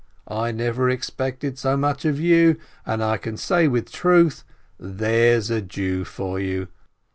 I never expected so much of you, and I can say with truth, 'There's a Jew for you!'